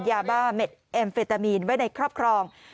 ยาบ้าเม็ดเอ็มเฟตามีนไว้ในครอบครอง